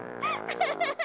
アハハハハ！